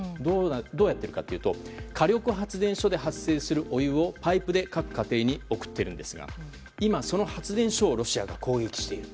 どうやっているかというと火力発電所で発生するお湯を、パイプで各家庭に送っているんですが今その発電所をロシアが攻撃している。